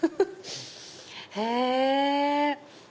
へぇ。